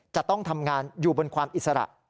จะต้องทำงานอยู่บนความอิสระ